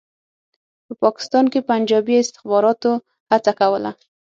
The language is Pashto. په پاکستان کې پنجابي استخباراتو هڅه کوله.